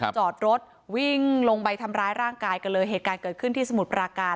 จอดรถวิ่งลงไปทำร้ายร่างกายกันเลยเหตุการณ์เกิดขึ้นที่สมุทรปราการ